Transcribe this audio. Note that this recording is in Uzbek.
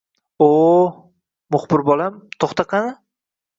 Ho`o`, muxbir bolam, to`xta qani